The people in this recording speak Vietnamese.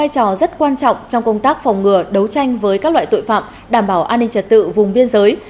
trò rất quan trọng trong công tác phòng ngừa đấu tranh với các loại tội phạm đảm bảo an ninh trật tự vùng biên giới